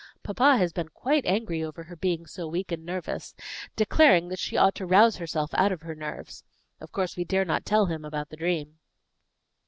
Papa has been quite angry over her being so weak and nervous, declaring that she ought to rouse herself out of her 'nerves.' Of course we dare not tell him about the dream."